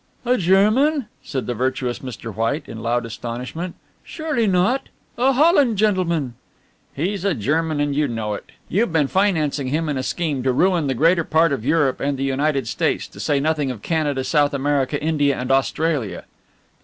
"A German?" said the virtuous Mr. White in loud astonishment. "Surely not a Holland gentleman " "He's a German and you know it. You've been financing him in a scheme to ruin the greater part of Europe and the United States, to say nothing of Canada, South America, India and Australia."